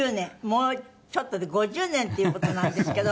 もうちょっとで５０年っていう事なんですけど。